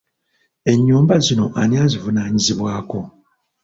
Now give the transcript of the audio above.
Ennyumba zino ani azivunaanyizibwako?